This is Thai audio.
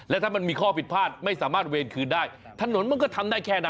และถ้ามันมีข้อผิดพลาดไม่สามารถเวรคืนได้ถนนมันก็ทำได้แค่นั้น